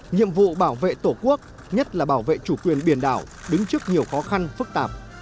nhiệm vụ bảo vệ tổ quốc nhất là bảo vệ chủ quyền biển đảo đứng trước nhiều khó khăn phức tạp